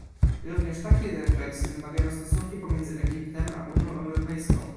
Również takiej refleksji wymagają stosunki pomiędzy Egiptem a Unią Europejską